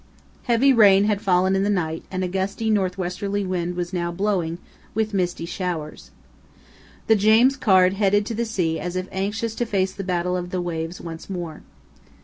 Heavy rain had fallen in the night and a gusty north westerly wind was now blowing, with misty showers. The James Caird headed to the sea as if anxious to face the battle of the waves once more.